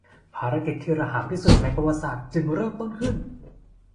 ภารกิจที่ระห่ำที่สุดในประวัติศาสตร์จึงเริ่มต้นขึ้น